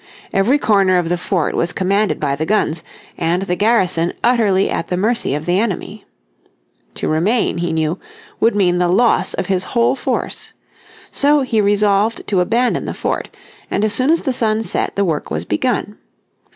Every corner of the fort was commanded by the guns, and the garrison utterly at the mercy of the enemy. To remain, he knew, would mean the loss of his whole force. So he resolved to abandon the fort, and as soon as the sun set the work was begun.